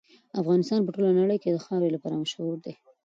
افغانستان په ټوله نړۍ کې د خاورې لپاره مشهور دی.